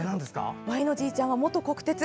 わいのじいちゃんは元国鉄。